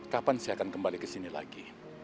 kapan saya akan kembali ke sini lagi